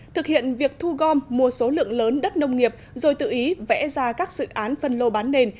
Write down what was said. thực hiện việc thu gom một số lượng lớn đất nông nghiệp rồi tự ý vẽ ra các dự án phân lô bán nền